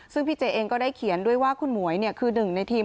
ซึ่งพี่เจเองก็ได้เขียนด้วยว่าคุณหมวยคือหนึ่งในทีม